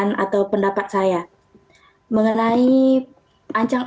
diberikan dan dikira degrees besar di tahun selanjutnya